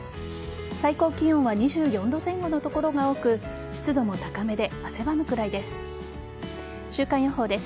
最高気温は２４度前後の所が多く湿度も高めで汗ばむくらいです。